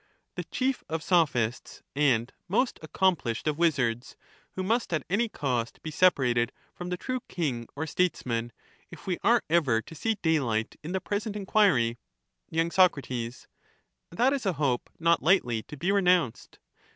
The chief of Sophists and most accomplished of He must be wizards, who must at any cost be separated from the true ?«p*»^^ king or Statesman, if we are ever to see daylight in the king at present enquiry. any cost. y. Soc. That, is, aJappe not lightly to be renounced.